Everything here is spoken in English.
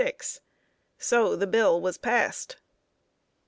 So the bill was passed.